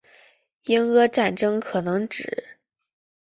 英阿战争可能指